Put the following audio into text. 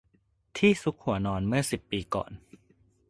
ที่ซุกหัวนอนเมื่อสิบปีก่อน